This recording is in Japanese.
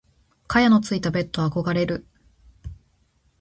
蚊帳のついたベット憧れる。